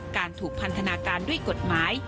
การถูกพันธนาการด้วยกฎหมาย